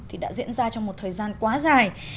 thì đã diễn ra trong một thời gian quá dài